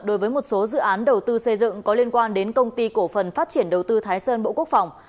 đối với một số dự án đầu tư xây dựng có liên quan đến công ty cổ phần phát triển đầu tư thái sơn bộ quốc phòng